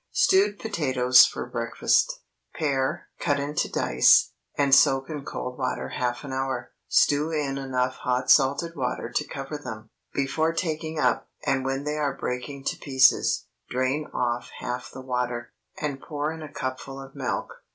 STEWED POTATOES FOR BREAKFAST. ✠ Pare, cut into dice, and soak in cold water half an hour. Stew in enough hot salted water to cover them. Before taking up, and when they are breaking to pieces, drain off half the water, and pour in a cupful of milk.